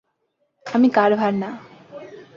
আমি কার্ভার না!